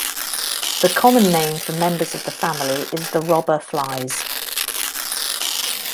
The common name for members of the family is the robber flies.